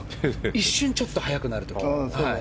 一瞬ちょっと速くなる時。